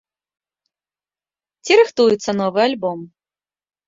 Ці рыхтуецца новы альбом?